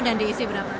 yang diisi berapa